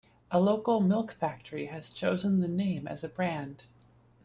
A local milk-factory has chosen the name as a brand.